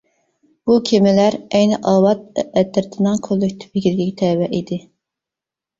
بۇ كېمىلەر ئەينى ئاۋات ئەترىتىنىڭ كوللېكتىپ ئىگىلىكىگە تەۋە ئىدى.